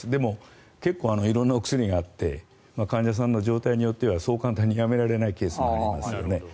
結構、色んなお薬があって患者さんの状態によってはそう簡単にやめられないケースもありますよね。